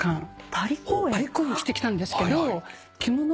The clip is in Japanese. パリ公演してきたんですけど着物？